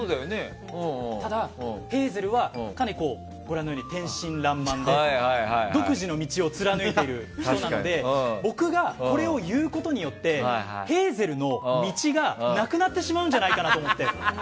ただ、ヘイゼルはかなり天真らんまんで独自の道を貫いている人なので僕がこれを言うことによってヘイゼルの道がなくなってしまうんじゃないかと思って。